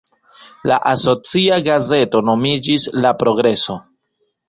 La asocia gazeto nomiĝis "La Progreso".